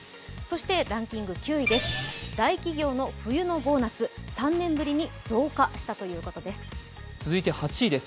ランキング９位、大企業の冬のボーナス３年ぶりに増加したということです